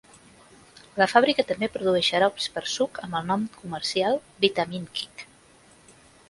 La fàbrica també produeix xarops per a suc amb el nom comercial Vitaminchick.